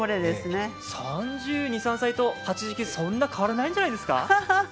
３２歳と、そんなに変わらないんじゃないですか？